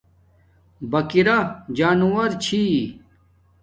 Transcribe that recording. بکیرا جانوور چھی